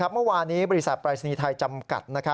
เมื่อวานี้บริษัทปรายศนีย์ไทยจำกัด